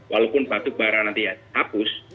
walaupun batu barang nanti ya hapus